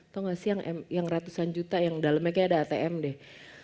tau gak sih yang ratusan juta yang dalamnya kayaknya ada atm deh